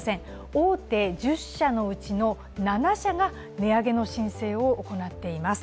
大手１０社のうちの７社が値上げの申請を行っています。